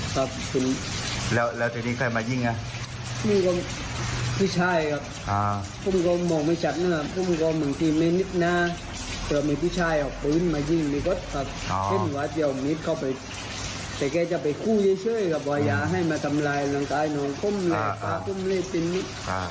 แต่แกจะไปคู่เชื่อกับว่าอย่าให้มาทำลายร่างกายน้องคมและสาคมเลสตินนี้